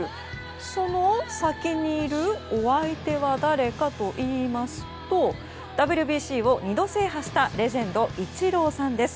その先にいるお相手は誰かといいますとＷＢＣを２度制覇したレジェンドイチローさんです。